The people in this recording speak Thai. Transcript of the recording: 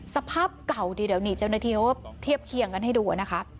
สภาพเก่าทีเดี๋ยวนี่เจ้าหน้าที่เขาเทียบเคียงกันให้ดูนะคะ